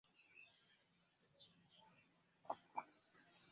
Okcidente kaj sude estas precipe agroj.